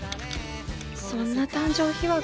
そんな誕生秘話が。